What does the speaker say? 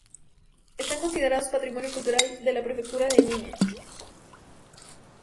Están considerados patrimonio cultural de la Prefectura de Ehime.